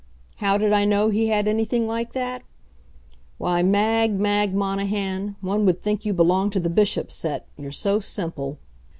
How did I know he had anything like that? Why, Mag, Mag Monahan, one would think you belonged to the Bishop's set, you're so simple!